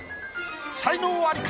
才能アリか？